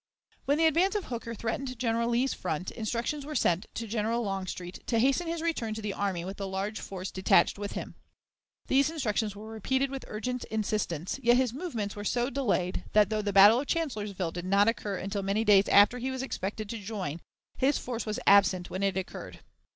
When the advance of Hooker threatened General Lee's front, instructions were sent to General Longstreet to hasten his return to the army with the large force detached with him. These instructions were repeated with urgent insistence, yet his movements were so delayed that, though the battle of Chancellorsville did not occur until many days after he was expected to join, his force was absent when it occurred.